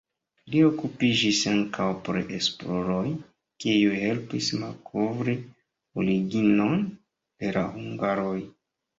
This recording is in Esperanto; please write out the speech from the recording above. Li okupiĝis ankaŭ pri esploroj, kiuj helpis malkovri originon de la hungaroj.